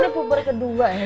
mama itu puber kedua ya